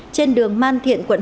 trên đường man tây đà nẵng